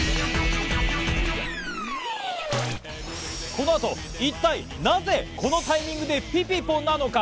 この後、一体なぜこのタイミングでピピポなのか？